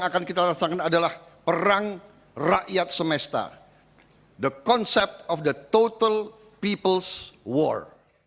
akan kita rasakan adalah perang rakyat semesta the concept of the total peoples war